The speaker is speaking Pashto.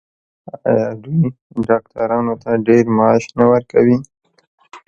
آیا دوی ډاکټرانو ته ډیر معاش نه ورکوي؟